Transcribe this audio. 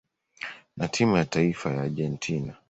na timu ya taifa ya Argentina.